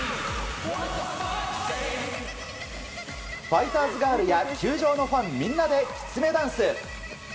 ファイターズガールや球場のファンみんなできつねダンス。